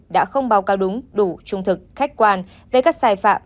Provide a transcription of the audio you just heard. đã không báo cáo đúng đủ trung thực khách quan về các sai phạm